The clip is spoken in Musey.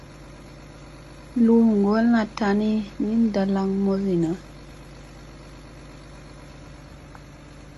Luu ngolla tani ni ndalanga musinna.